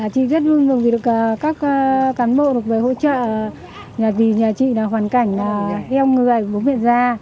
chị rất vui vẻ được các cán bộ được hỗ trợ vì nhà chị là hoàn cảnh em người ở phố miền gia